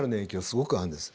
すごくあるんです。